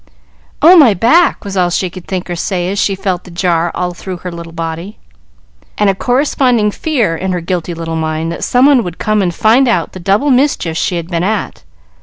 "Oh, my back!" was all she could think or say as she felt the jar all through her little body, and a corresponding fear in her guilty little mind that someone would come and find out the double mischief she had been at.